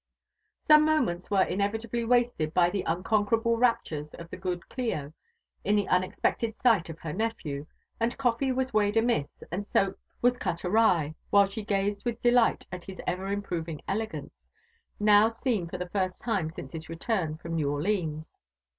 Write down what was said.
Sojm momeata weire iDovitably wafted by the unconquerable lapturea 9f the good Clio at thQ uiieip^ted sight oC her uephew ; and ooffee was weighed afuiss, ap4 w>Ap wa$i qut awry, while ahe gazed wiUi de light ^i his eveHmproyiug elegance, now ^o for the first Ume aiace his return Crom New Orleans.